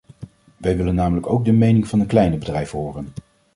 Wij willen namelijk ook de mening van de kleine bedrijven horen.